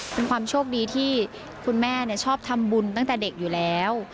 เป็นความโชคดีที่คุณแม่ชอบทำบุญตั้งแต่เด็กอยู่แล้ว